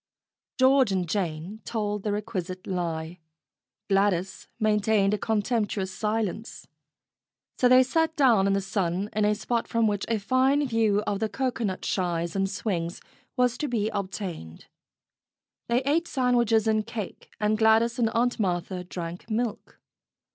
George and Jane told the requisite lie. Gladys maintained a contemptuous silence. So they sat down in the sun in a spot from which a fine view of the cocoanut shies and swings was to be obtained. They ate sandwiches and cake, and Gladys and Aunt Martha drank milk.